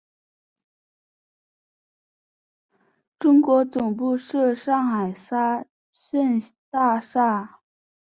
中国总部设上海沙逊大厦。